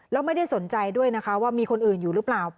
แล้วไม่ได้สนใจด้วยนะคะว่ามีคนอื่นอยู่หรือเปล่า